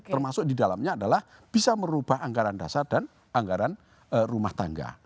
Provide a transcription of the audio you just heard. termasuk di dalamnya adalah bisa merubah anggaran dasar dan anggaran rumah tangga